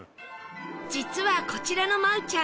実はこちらのマウちゃん